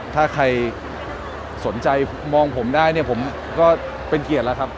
ถ้าใครสนใจมองผมได้ก็เป็นเกียรติครับ